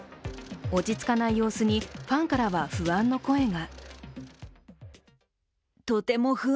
落ち着かない様子にファンからは不安の声が。